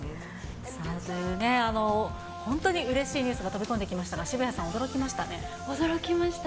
というね、本当にうれしいニュースが飛び込んできましたが、驚きました。